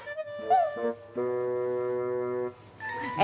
isinya sepuluh juta aja pak mer